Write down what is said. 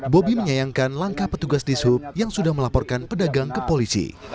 bobi menyayangkan langkah petugas di sup yang sudah melaporkan pedagang ke polisi